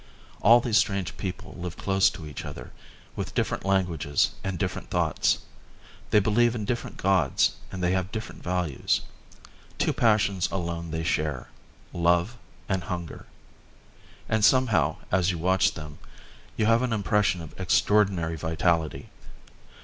All these strange people live close to each other, with different languages and different thoughts; they believe in different gods and they have different values; two passions alone they share, love and hunger. And somehow as you watch them you have an impression of extraordinary vitality.